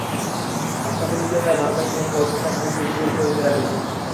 মাশরাফি নিজেও তাই ভারতের বিপক্ষে অতীতটাকে খুব বেশি গুরুত্ব দিতে রাজি নন।